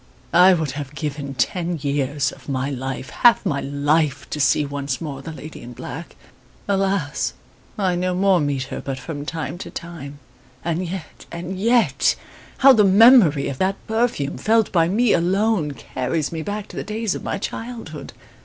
I would have given ten years of my life half my life to see once more the lady in black! Alas! I no more meet her but from time to time, and yet! and yet! how the memory of that perfume felt by me alone carries me back to the days of my childhood.